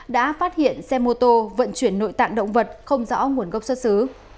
đã phát hiện xe mô tô vận chuyển nội tạng động vật không rõ nguồn gốc xuất xứ